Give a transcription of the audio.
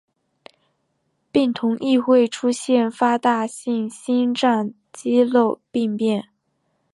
病童亦会出现发大性心脏肌肉病变。